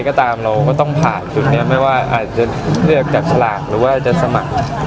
ก็ตามเราก็ต้องผ่านชุดนี้ไม่ว่าอาจจะเลือกจากสลากหรือว่าจะสมัคร